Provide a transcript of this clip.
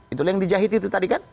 itulah yang dijahit itu tadi kan